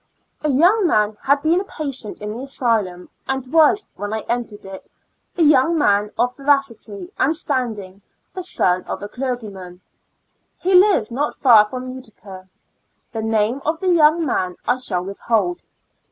A young man had been a patient in the asylum, and was, when I entered it, a young man of veracity and standing, the son of a clergyman; he lives not far from Utica. The name of the young man I shall withhold.